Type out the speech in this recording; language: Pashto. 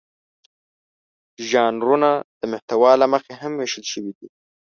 ژانرونه د محتوا له مخې هم وېشل شوي دي.